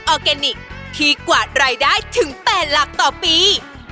อร์แกนิคที่กวาดรายได้ถึง๘หลักต่อปี